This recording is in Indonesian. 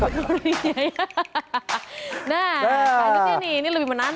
nah lanjutnya nih ini lebih menantang